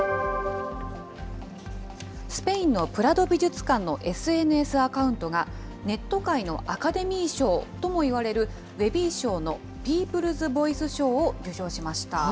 スペインのプラド美術館のＳＮＳアカウントが、ネット界のアカデミー賞ともいわれるウェビー賞のピープルズ・ボイス賞を受賞しました。